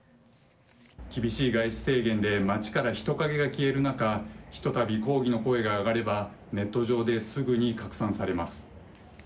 厳しい外出制限で街から人影が消える中ひと度抗議の声が上がればネット上ですぐに拡散されます。